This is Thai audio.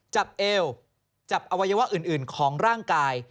เอวจับอวัยวะอื่นของร่างกาย